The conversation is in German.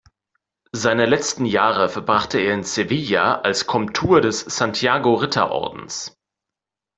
Seine letzten Jahre verbrachte er in Sevilla als Komtur des Santiago-Ritterordens.